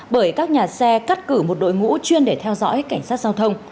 bởi các nhà xe cắt cử một đội ngũ chuyên để theo dõi cảnh sát giao thông